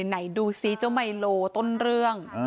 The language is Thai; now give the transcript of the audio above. ไหนดูซิเจ้าไมโลต้นเรื่อง